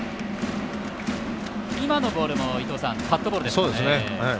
今のボールもカットボールですね。